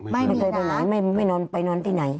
ไม่เคยไปไหนไม่นอนไปนอนที่ไหน